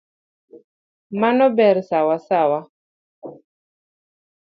Mano ber sawasawa.